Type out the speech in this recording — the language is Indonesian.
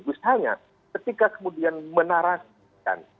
misalnya ketika kemudian menarasikan